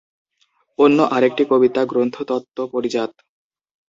অন্য আরেকটা কবিতা গ্রন্থ তত্ব পারিজাত।